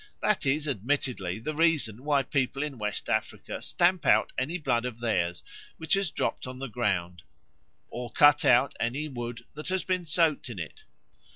That is admittedly the reason why people in West Africa stamp out any blood of theirs which has dropped on the ground or cut out any wood that has been soaked with it.